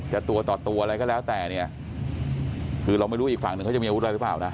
ตัวต่อตัวอะไรก็แล้วแต่เนี่ยคือเราไม่รู้อีกฝั่งหนึ่งเขาจะมีอาวุธอะไรหรือเปล่านะ